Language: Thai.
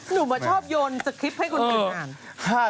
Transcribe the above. หนูมาชอบโยนสคริปต์ให้คนอื่นอ่าน